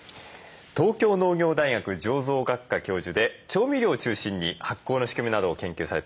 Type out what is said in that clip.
東京農業大学醸造学科教授で調味料を中心に発酵の仕組みなどを研究されています